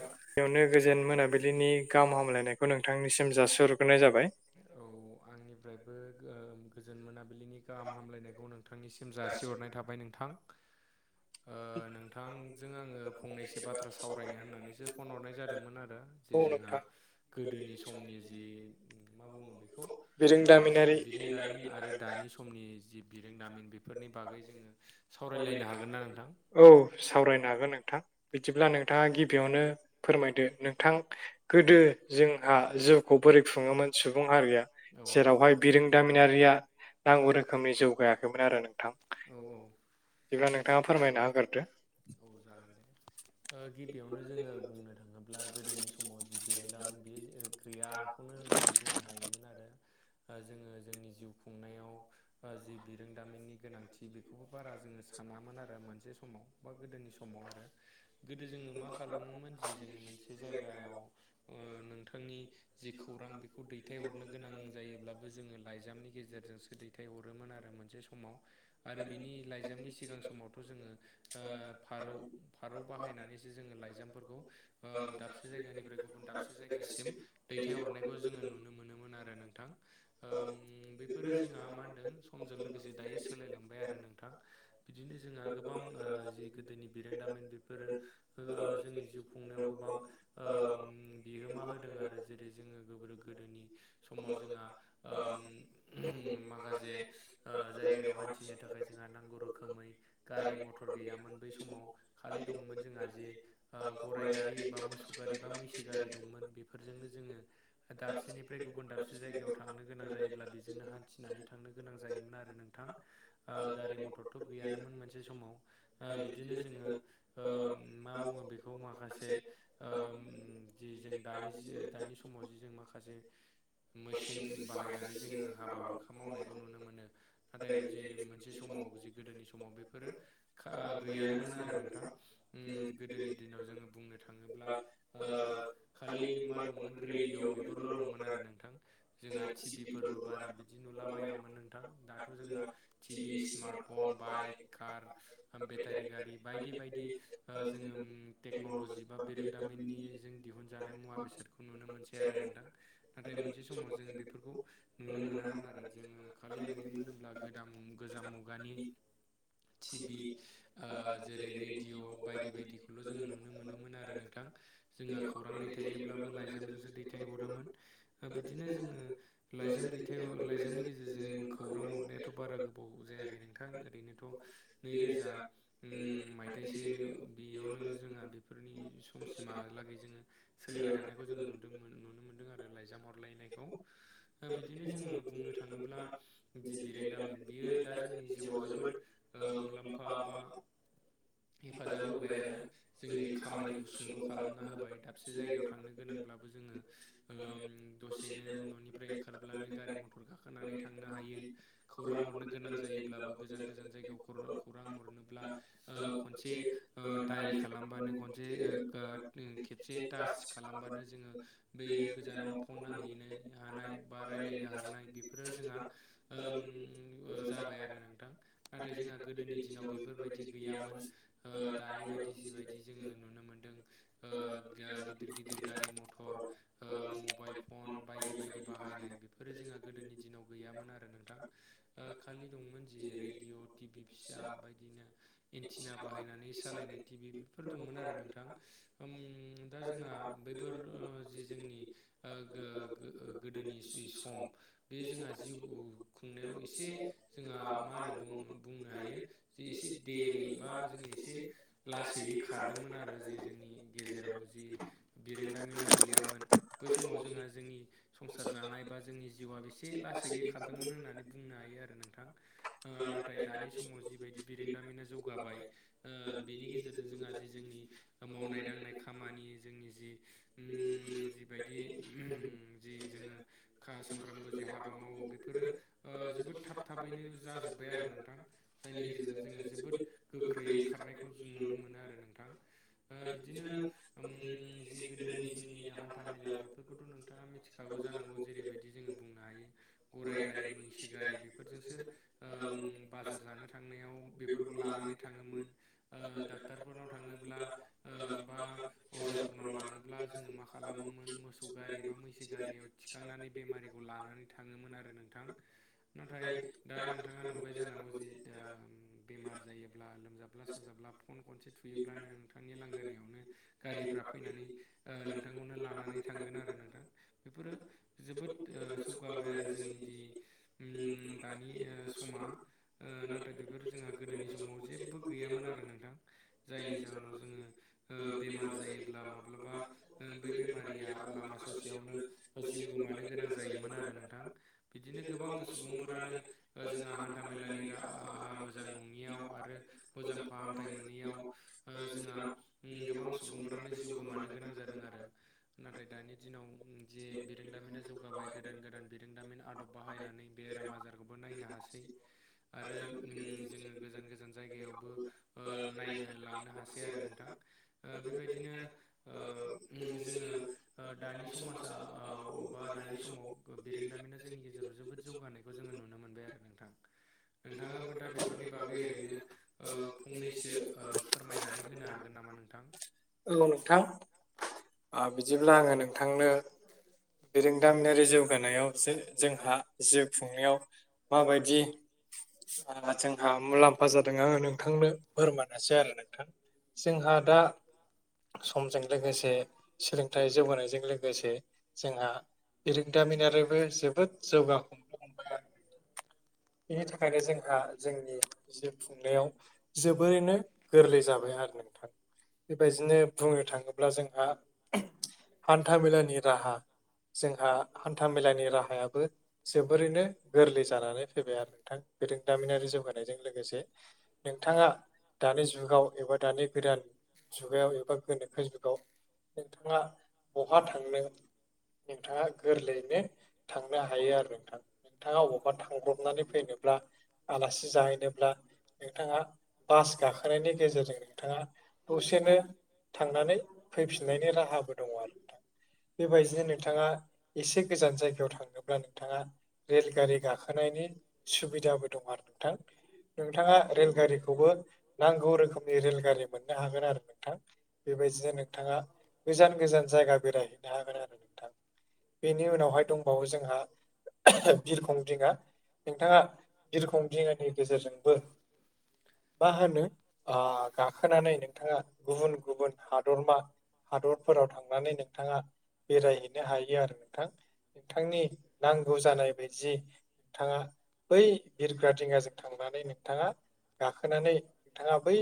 बेयावनो गोजोन मोनाबिलिनि गाहाम हामलायनायखौ नोंथांनिसिम जासिहरग्रोनाय जाबाय। औ आंनिफ्रायबो ओ गोजोन मोनाबिलिनि गाहाम हामलायनायखौ नोंथांनिसिम जासिहरनाय थाबाय नोंथां। ओ नोंथांजों आङो फंनैसो बाथ्रा सावरायनो होननानैसो फन हरनाय जादोंमोन आरो। जे औ जोंहा नोंथां गोदोनि समनि जि मा बुङो बेखौ ओ बिरोंदामिनारि बिरोंदामिन आरो दानि समनि जि बिरोंदामिन बे फोरनि बागै जोङो सावरायलायनो हागोनना नोंथां? औ सावरायनो हागोन नोंथां बिदिब्ला नोंथाङा गिबियावनो फोरमायदों नोंथां। गोदो जोंहा जिउखौ बोरै खुङोमोन सुबुं हारिया औ जेरावहाय बिरोंदामिनारिया नांगौ रोखोमनि जौगायाखैमोन आरो नोंथां। औ औ। बिदिबा नोंथाङा फोरमायना होगोरदो। औ जागोन दे। ओ गिबियावनो जोङो बुंनो थाङोब्ला गोदोनि समाव जि बिरोंदामिन बेयो गैया खौनो होननानै बुंनो हायोमोन आरो। ओ जोङो जोंनि जिउ खुंनायाव जि बिरोंदामिनि गोनांथि बेखौबो बारा जोङो सानामोन आरो मोनसे समाव। बा गोदोनि समाव आरो गोदो जोङो मा खालामोमोन जि जोङो मोनसे जायगायाव ओ नोंथांनि जि खौरां बेखौ दैथायहरनो गोनां जायोब्लाबो जोङो लाइजामनि गेजेरजोंसो दैथायहरोमोन आरो मोनसे समाव आरो बिनि लाइजामनि सिगां समावथ' जोङो ओ फारौ फारौ बाहायनानैसो जोङो लाइजामफोरखौ ओ दाबसे जायगानिफ्राय गुबुन दाबसे जायगासिम दैथायहरनायखौ जोङो नुनो मोनोमोन आरो नोंथां। ओ बेफोरो जोंहा मा होनदों समजों लोगोसे दायो सोलायलांबाय आरो नोंथां बिदिनो जोंहा गोबां ओ जि गोदोनि बिरोंदामिन बेफोरो ओ जोंनि जिउ खुंनायाव गोबां उम बिहोमा होदों आरो जेरै जोङो गोबोर गोदोनि समाव जोंहा उम माखासे ओ जायगायाव हान्थिनो थाखाय जोंहा नांगौ रोखोमै गारि मथर गैयामोन बै समाव खालि दंमोन जोंहा जि ओ गराइ गारि बा मोसौ गारि बा मैसो गारि दंमोन बेफोरजोंनो जोङो दाबसेनि फ्राय गुबुन दाबसे जायगायाव थांनो गोनां जायोब्ला बेजोंनो हान्थिनानै थांनो गोनां जायोमोन आरो नोंथां ओ गारि मथरथ गैयानोमोन मोनसे समाव ओ बिदिनो जोङो ओ मा बुङो बेखौ माखासे ओ जि जों दानि समाव जि जों माखासे मेसिन बाहायनानै जोङो हाबा हुखा मावनायखौ नुनो मोनो नाथाय बिदि मोनसे समाव जि गोदोनि समाव बेफोरो खा गैयानोमोन आरो नोंथां उम गोदोनि दिनाव जोङो बुंनो थाङोब्ला ओ खालि मा दंमोन रेडिय बेफोरल दंमोन आरो नोंथां जोंहा टिभिफोरबो बारा बि दि नुलाबायामोन नोंथां दाथ जोंहा टिभि स्मार्टफन बाइक कार उम बेटारि गारि बायदि बायदि ओ जोङो उम टेक्नलजि बा बिरोंदामिननि जों दिहुनजानाय मुवा बेसादखौ नुनो मोनसै आरो नोंथां नाथाय मोनसे समाव जों बेफोरखौ नुनो मोनामोन आरो जोङो खालि नुयोमोन होमब्ला गोदान गोजाम मुगानि टिभि ओ जेरै रेडिय बायदि बायदिखौल जोङो नुनो मोनोमोन आरो नोंथां जोंहा खौरां दैथायोब्लाबो लाइजामजोंसो दैथायहरोमोन ओ बिदिनो जोङो लाइजाम दैथाय ह लाइजामनि गेजेरजों खौरां हरनायाथ बारा गोबाव जायाखै नोंथां ओरैनोथ नैरो जा उम मायथाइसो बेयावनो जोंहा बेफोरनि समसिमहालागै जोङो सोलिबाय थानायखौ जोङो नुदों नुनो मोनदों आरो लाइजाम हरलायनायखौ ओ बिदिनो जोङो बुंनो थाङो ल्बा जि बिरोंदामिन बियो दा जोंनि जिउआव जोबोद ओ मुलाम फा बा हेफाजाब होबाय आरो जोंनि खामानिखौ सुंद खालामना होबाय दाबसे जायगायाव थांनो गोनांब्लाबो जोङो उम दसेनो ननिफ्राय ओंखारब्लानो गारि मथर गाखोनानै थांनो हायो खौरां हरनो गोनां जायोब्लाबो गोजान गोजान जायगायाव खौरां हरनोब्ला ओ खनसे ओ दाइल खालामबानो खनसे ओ [unintelligible] खेबसे टास खालामबानो जोङो बैयो गोजानाव फन नांहैनो हानाय बा रायलायनो हानाय बेफोरो जोंहा ओम ओ जाबाय आरो नोंथां नाथाय जोंहा गोदोनि दिनाव बेफोरबायदि गैयामोन ओ दानि बायदि जिबायदि जोङो नुनो मोनदों ओ ओ गिदिर गिदिर गारि मथर ओ मबाइल फन बायदि बायदि बाहायनाय बेफोरो जोंहा गोदोनि दिनाव गैयामोन आरो नोंथां ओ खालि दंमोन जि रेडिअ टि भि फिसा बायदिनो इन्टिना बाहायनानै सालायनाय टिभि बेफोर दंमोन आरो नोंथां उम दा जोंहा बैफोर ओ जि जोंनि ओ गो-गो गोदोनि जि सम बे जोंहा जिउ खुंनायाव एसे जोंहा मा होनो बुं नो हायो जे एसे देरि बा जोङो एसे लासैयै खारदोंमोन आरो जे जोंनि गेजेराव जि बिरोंदामिना गैयामोन बै समाव जोंहा जोंनि संसार जानाय बा जोंनि जिउआ बेसे लासैयै खारदोंमोन होन नानै बुंनो हायो आरो नोंथां ओ ना थाय दानि समाव जिबायदि बिरोंदामिना जौगाबाय ओ बेनि गेजेरजों जोंहा जि जोंनि मावनाय दांनाय खामानि जोंनि जि उम जि बायदि उम जि जोङो खा सानफ्रामबो जे हाबा मावो बेफोरो ओ जोबोद थाब थाबैनो जाजोब्बाय आरो नों थां जायनि गेजेरजों जोङो जोबोद गोख्रैयै खारनायखौ जों नुनो मोनो आरो नोंथां। ओ बिदिनो उम जि गोदोनि दिननि हान्था मेला बेफोरखौथ' नोंथाङा मिथिखागौ जानांगौ जेरैबायदि जोङो बुंनो हायो। गराइ गारि मैसो गारि बेफोरजोंसो उम बाजार जानो थांनायाव बेफोरखौ लानानै थाङोमोन, ओ डाक्टारफोरनाव थाङोब्ला ओ बा अजाफोरनाव लाङोब्ला जोङो मा खालामोमोन मोसौ गारि बा मैसो गारियाव थिखांनानै बेमारिखौ लानानै थाङोमोन आरो नोंथां। नाथाय दा नोंथाङा नुबाय जानांगौ जे दा बेमार जायोब्ला लोमजाब्ला साजाब्ला फन खनसे थु थुयोब्लानो नोंथांनि लांगोनायावनो गारिफ्रा फैनानै ओ नोंथांखौनो लानानै थांगोन आरो नोंथां। बेफोरो जोबोद ओ जौगाबाय आरो जोंनि दि उम दानि समा ओ नाथाय बेफोर जोंहा गोदोनि समाव जेबबो गैयामोन आरो नोंथां। जायनि जाहोनाव जोङो ओ बेमार जायोब्ला माब्लाबा ओ बै बेमारिया लामा ससेयावनो जिउ गोमानो गोनां जायोमोन आरो नोंथां। बिदिनो गोबां सुबुंफोरानो जोंहा हान्थामेलानि राहाहा मोजां नं ङियाव आरो मोजां फाहामथाय मोनियाव ओ जोंहा उम गोबां सुबुंफ्रानो जिउ गोमानो गोनां जादों आरो। नाथाय दानि दिनाव जे बिरोंदामिना जौगाबाय गोदान गोदान बिरोंदामिन आदब बाहायनानै बेराम आजारखौबो नायनो हासै। आरो उम जोङो गोजान गोजान जायगायावबो ओ नायनो लांनो हासै आरो नोंथां। ओ बेबायदिनो ओ उम जोङो ओ दानि समाजा औ बा दानि समाव गो बिरोंदामिना जोंनि गे जेराव जोबोद जौगानायखौ जोङो नुनो मोनबाय आरो नोंथां। नोंथाङाबो दा बेफोरनि बागै ओरैनो ओ फंनैसो ओ फोरमायनानै होनो हागोन नामा नोंथां? औ नोंथां। ओ बिदिब्ला आङो नोंथांनो बिरोंदामिनारि जौ गानायाव जो-जोंहा जिउ खुंनायाव माबायदि ओ जोंहा मुलाम्फा जादों आङो नोंथांनो फोरमानोसै आरो नोंथां। जोंहा दा स समजों लोगोसे, सोलोंथाइ जौगानायजों लोगोसे जोंहा बिरोंदामिन आरोबो जोबोद जौगा बिनि थाखायनो जोंहा जोंनि जिउ खुंनायाव जोबोरैनो गोरलै जाबाय आरो नोंथां। बेबायदिनो बुंनो थाङोब्ला जोंहा हान्था मेलानि राहा जोंहा हान्था मेलानि राहायाबो जोबोरैनो गोरलै जानानै फैबाय आरो नोंथां बिरोंदामिनारि जौगानायजों लोगोसे। नोंथाङा दानि जुगाव एबा दानि गोदान जुगायाव एबा गोनोखो जुगाव नोंथाङा बहा थांनो नोंथाङा गोरलैयैनो थांनो हायो आरो नोंथां नोंथाङा अबावबा थां हम [unintelligible] नानै फैनोब्ला आलासि जाहैनोब्ला नोंथाङा बास गाखोनायनि गेजेरजों नोंथाङा दसेनो थांनानै फैफिननायनि राहाबो दङ आरो दा बेबायदिनो नोंथाङा एसे गोजान जायगायाव थांनोब्ला नोंथाङा रेलगारि गाखोनायनि सुबिदाबो दं आरो नोंथां नोंथाङा रेलगारि बेखौबो नांगौ रोखोमनि रेलगारि मोननो हागोन आरो नोंथां बेबायदिनो नोंथाङा गोजान गोजान जायगा बेरायहैनो हागोन आरो। बेनि उनावहाय दंबावो जोंहा बिरखं दिंङा नोंथाङा बिरखं दिंङानि गेजेरजोंबो मा होनो ओ गाखोनानै नोंथाङा गुबुन गुबुन हादरमा हादरफोराव थांनानै नोंथाङा बेरायहैनो हायो आरो नोंथां नोंथांनि नांगौ जानाय बायदि नोंथाङा बै बिरग्रा दिङाजों थांनानै नोंथाङा गाखोनानै नोंथाङा बै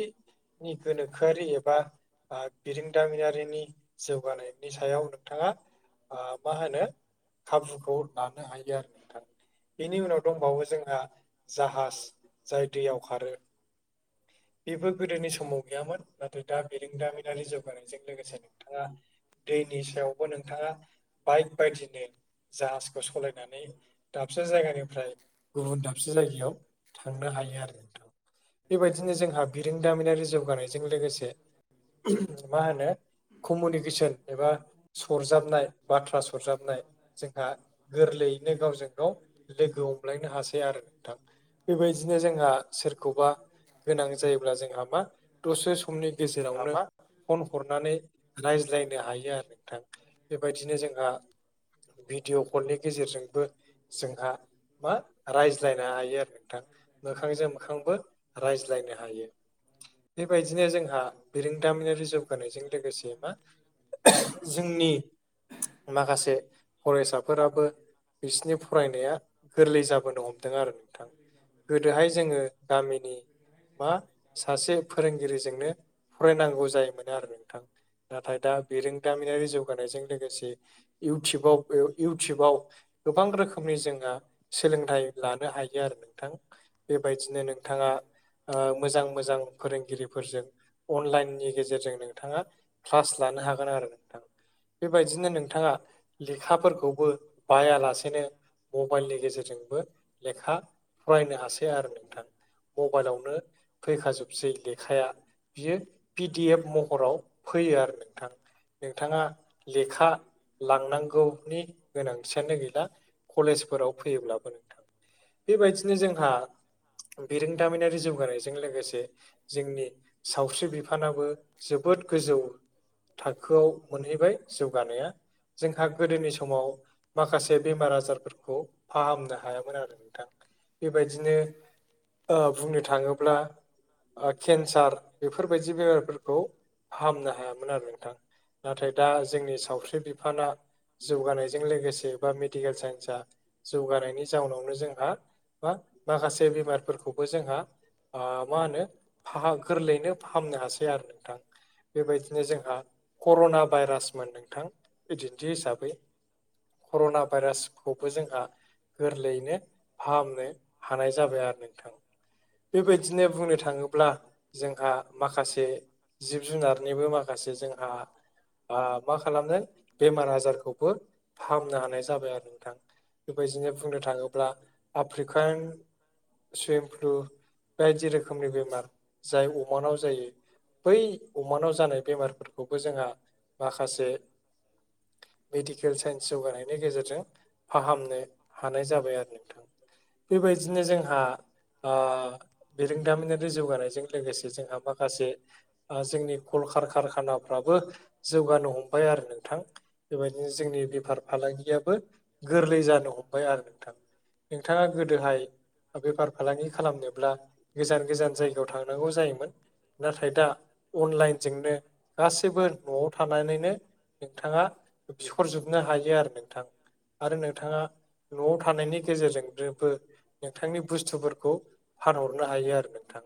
नि गोनोखोआरि एबा ओ बिरोंदामिनारिनि जौ जौगानायनि सायाव नोंथाङा ओ मा होनो खाबुखौ लानो हायो आरो। नोंथां बेनि उनाव दंबावो जोंहा जाहाज जाय दैयाव खारो बेफोर गोदोनि समाव गैयामोन। नाथाय दा बिरोंदामिनारि जौगानायजों लोगोसे नोंथाङा दैनि सायावबो नोंथाङा बाइक बायदिनो जाहाजखौ सलायनानै दाबसे जायगानिफ्राय गुबुन दाबसे जायगायाव थांनो हायो आरो नोंथां। बेबायदिनो जोंहा बिरोंदामिनारि जौगानायजों लोगोसे मा होनो? कमुनिकेसन एबा सरजाबनाय बाथ्रा सरजाबनाय जोंहा गोरलैयैनो गावजों गाव लोगो हमलायनो हासै आरो नोंथां बेबायदिनो जोंहा सोरखौबा गोनां जायोब्ला जोंहा मा दसे समनि गेजेरावनो फन हरनानै रायज्लायनो हायो आरो नोंथां‌। बेबायदिनो जोंहा भिडिव कलनिं गेजेरजोंबो जोंहा मा रायज्लायनो हायो आरो नोंथां मोखांजों मोखांबो रायज्लायनो हायो बेबायदिनो जोंहा बिरोंदामिनारि जौगानायजों लोगोसे मा जोंनि माखासे फरायसाफोराबो बिसनि फरायनाय गोरलै जाबोनो हमदों आरो नोंथां गोदोहाय जोङो गामि नि मा सासे फोरोंगिरिजोंनो फरायनांगौ जायोमोनो आरो नोंथां। नाथाय दा बिरोंदामिनारि जौगानायजों लोगोसे इउटुबाव [unintelligible] इउटुबाव गोबां रोखोमनि जोंहा सोलोंथाइ लानो हायो आरो नोंथां। बेबायदिनो नोंथाङा ओ मोजां मोजां फोरोंगिरिफोरजों अनलाइननि गेजेरजों नोंथाङा क्लास लानो हागोन आरो नोंथां बेबायदिनो नोंथाङा लेखाफोरखौबो बायालासेनो मबाइलनि गेजेरजोंबो लेखा फरायनो हासै आरो नोंथां मबाइलावनो फैखाजोबसै लेखाया बियो पिडि एफ महराव फैयो आरो नोंथां नोंथाङा लेखा लांनांगौनि गोनांथियानो गैला कलेजफोराव फैयोब्लाबो नोंथां बेबायदिनो जोंहा बिरोंदामिनारि जौगानाय जों लोगोसे जोंनि सावस्रि बिफानाबो जोबोद गोजौ थाखोआव मोनहैबाय जौगानाया जोंहा गोदोनि समाव माखासे बेमारा सार फोरखौ फाहामनो हायामोन आरो नोंथां बेबायदिनो ओ बुंनो थाङोब्ला ओ केन्सार बेफोरबायदि बेमारफोरखौ फाहामनो हायामोन आरो नोंथां नाथाय दा जोंनि सावस्रि बिफाना जौगानायजों लोगोसे बा मेडिकेल साइन्स आसा जौगानायनि जाउनावनो जोंहा बा माखासे बेमारफोरखौबो जोंहा ओ मा होनो फाह गोरलैयैनो फाहामनो हासै आरो नोंथां बेबायदिनो जोंहा कर'ना भाइरासमोन नोंथां बिदिन्थि हिसाबै कर'ना भाइरास बो जोंहा गोरलैयैनो फाहामनो हानाय जाबाय आरो नोंथां बेबायदिनो बुंनो थाङोब्ला जोंहा माखासे जिब जुनारनिबो माखासे जोंहा ओ मा खालामनो बेमार आजारखौबो फाहामनो हानाय जाबाय आरो बेबायदिनो बुंनो थाङोब्ला आफ्रिकान [unintelligible] बायदि रोखोमनि बेमार जाय अमानाव जायो बै अमानाव जानाय बेमार खौबो जोंहा माखासे मेडिकेल साइन्स जौगानायनि गेजेरजों फाहामनो हानाय जाबाय आरो नोंथां बेबायदिनो जोंहा ओ बिरोंदामिनारि जौगानायजों लोगोसे जोंहा माखासे ओ जोंनि कल कार खानाफ्राबो जौगानो हमबाय आरो नोंथां बेबायदिनो जोंनि बेफार फालांगियाबो गोरलै जानो हमबाय आरो नोंथां नोंथाङा गोदोहाय बेफार फालांगि खालामनोब्ला गोजान गोजान जायगायाव थांनांगौ जायोमोन नाथाय दा अनलाइनजोंनो गासैबो न'आव थानानैनो नोंथाङा बिहरजोबनो हायो आरो नोंथां आरो नोंथाङा न'आव थानायनि गेजेरजों जोबो नोंथांनि बुस्थुफोरखौ फानहरनो हायो आरो नोंथां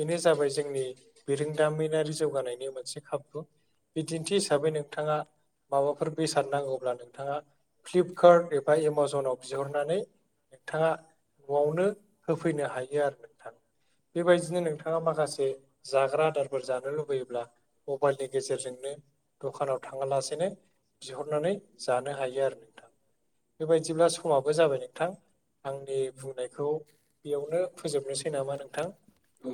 बेनो जाबाय जोंनि बिरोंदामिनारि जौगानायनि मोनसे खाबु बिदिन्थि हिसाबै नोंथाङा माबाफोर बेसाद नांगौब्ला नोंथाङा फ्लिप नोंथाङा [unintelligible] न'आवनो होफैनो हायो आरो नोंथां बेबायदिनो नोंथाङा माखासे जाग्रा आदारफोर जानो लुबैयोब्ला मबाइलनि गेजेरजों दखानाव थाङा लासेनो बिहरनानै जानो हायो आरो बे बायदिब्ला समाबो जाबाय नोंथां आंनि बुंनायखौ बेयावनो फोजोबनोसै नामा नोंथां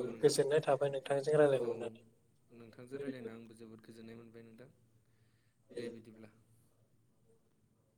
औ नोंथां गोजोननाय थाबाय नोंथांजों औ रायज्लायहरनानै नोंथांजों रायज्लायना आंबो जोबोद गोजोननाय मोनबाय नोंथां दे बिदिब्ला